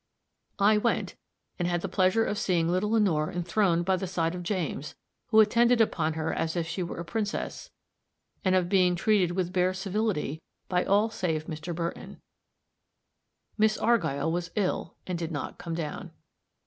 I went; and had the pleasure of seeing little Lenore enthroned by the side of James, who attended upon her as if she were a princess, and of being treated with bare civility by all save Mr. Burton. Miss Argyll was ill, and did not come down.